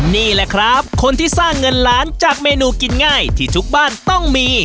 นี่แหละครับคนที่สร้างเงินล้านจากเมนูกินง่ายที่ทุกบ้านต้องมี